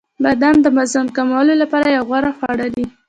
• بادام د وزن کمولو لپاره یو غوره خواړه دي.